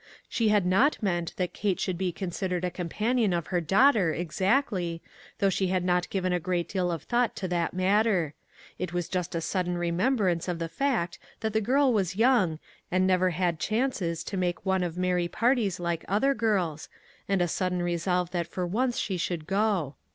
She had not meant that Kate should be considered a compan ion of her daughter, exactly, though she had not given a great deal of thought to that matter; it was just a sudden remem brance of the fact that the girl was young, and never had chances to make one of merry parties like other girls, and a sud den resolve that for once she should go.